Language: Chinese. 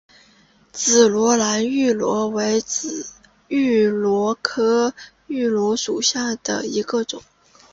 紫萝兰芋螺为芋螺科芋螺属下的一个种。